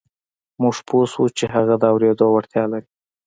موږ پوه شوو چې هغه د اورېدو وړتیا لري